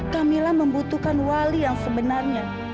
camilla membutuhkan wali yang sebenarnya